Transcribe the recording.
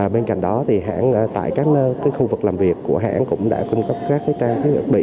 bên cạnh đó hãng tại các khu vực làm việc của hãng cũng đã cung cấp các trang thiết bị